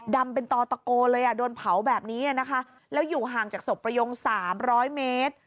โดนเผาแบบนี้นะคะแล้วอยู่ห่างจากศพประโยง๓๐๐เมตร